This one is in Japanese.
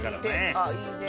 あっいいね。